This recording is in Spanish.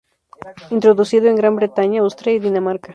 Introducido en Gran Bretaña, Austria y Dinamarca.